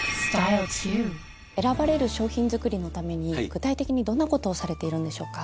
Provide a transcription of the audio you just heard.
選ばれる商品作りのために具体的にどんなことをされているんでしょうか？